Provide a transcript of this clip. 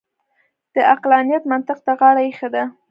د عقلانیت منطق ته غاړه اېښې ده.